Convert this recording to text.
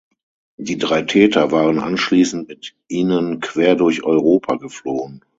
Die drei Täter waren anschließend mit ihnen quer durch Europa geflohen.